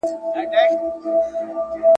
د افغان په نوم لیکلی بیرغ غواړم ..